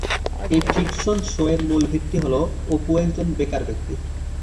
এই fiction show এর মূল ভিত্তি হল অপু একজন বেকার ব্যক্তি।